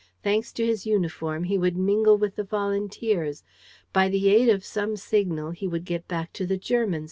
Thanks to his uniform, he would mingle with the volunteers! By the aid of some signal, he would get back to the Germans!